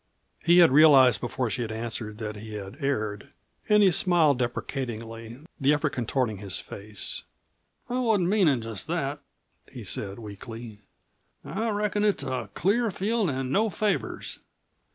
He had realized before she answered that he had erred, and he smiled deprecatingly, the effort contorting his face. "I wasn't meanin' just that," he said weakly. "I reckon it's a clear field an' no favors."